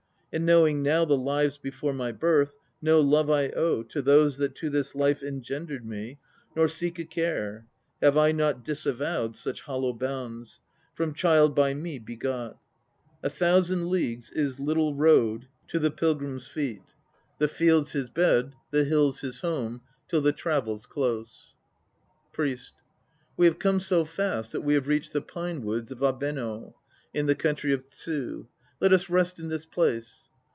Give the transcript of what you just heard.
And knowing now the lives before my birth, No love I owe To those that to this life engendered me, Nor seek a care (have I not disavowed Such hollow bonds?) from child by me begot. A thousand leagues Is little road 1 The Koyasan is not so remote as most mountain temples. 114 SOTOBA KOMACHI 115 To the pilgrim's feet. The fields his bed, The hills his home Till the travel's close. PRIEST. We have come so fast that we have reached the pine woods of Abeno, in the country of Tsu. Let us rest in this place.